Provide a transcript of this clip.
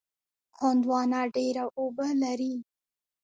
هندوانه ډېره اوبه لري.